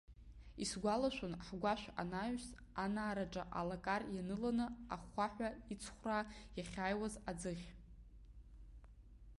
Исгәалашәон ҳгәашә анаҩс, анаараҿы алакар ианыланы, ахәхәаҳәа иҵхәраа иахьааиуаз аӡыхь.